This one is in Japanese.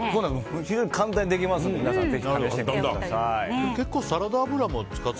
非常に簡単にできますので皆さん試してください。